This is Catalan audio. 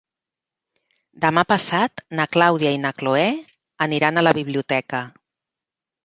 Demà passat na Clàudia i na Cloè aniran a la biblioteca.